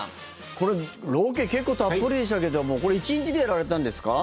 これ、ロケ結構たっぷりでしたけどもこれ、１日でやられたんですか？